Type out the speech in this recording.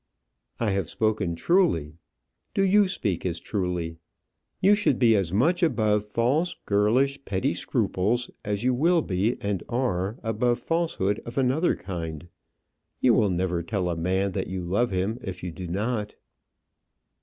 "I have spoken truly. Do you speak as truly. You should be as much above false girlish petty scruples, as you will be and are above falsehood of another kind. You will never tell a man that you love him if you do not."